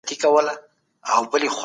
پر مځکي باندي د ګلانو یو ښکلی بوی خپرېدی.